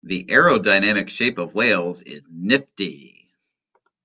The aerodynamic shape of whales is nifty.